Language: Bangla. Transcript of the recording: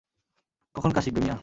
কখন কাজ শিখবে মিয়া?